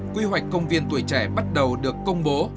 quy hoạch công viên tuổi trẻ bắt đầu được công bố